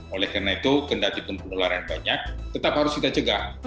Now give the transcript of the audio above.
oleh karena itu kendatipun penularan banyak tetap harus kita cegah